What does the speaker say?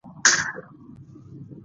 د غنم دانه د ودې لپاره وکاروئ